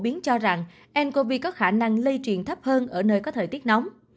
biến cho rằng ncov có khả năng lây truyền thấp hơn ở nơi có thời tiết nóng